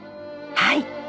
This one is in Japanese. はい。